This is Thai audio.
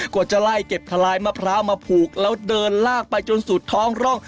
กว่าจะไล่เก็บทะลายมะพร้าวมาผูกแล้วเดินลากไปจนสุดท้องร่อง